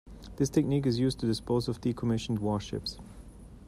This technique is used to dispose of decommissioned warships.